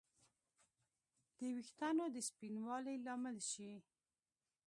د ویښتانو د سپینوالي لامل شي